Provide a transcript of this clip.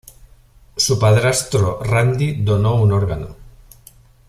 Su padrastro Randy donó un órgano.